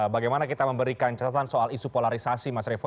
bagaimana kita memberikan catatan soal isu polarisasi mas revo